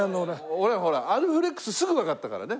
俺ほらアルフレックスすぐわかったからね。